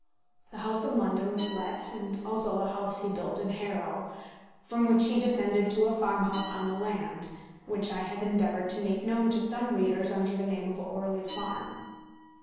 The house in London was let; and also the house he built at Harrow, from which he descended to a farmhouse on the land, which I have endeavoured to make known to some readers under the name of Orley Farm.